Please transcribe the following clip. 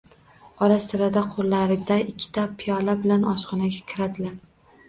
Ora-sirada qo’llarida ikkita piyola bilan oshxonaga kiradilar.